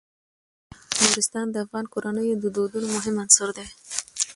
نورستان د افغان کورنیو د دودونو مهم عنصر دی.